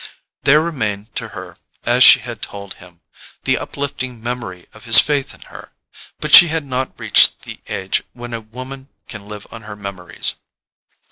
There remained to her, as she had told him, the uplifting memory of his faith in her; but she had not reached the age when a woman can live on her memories.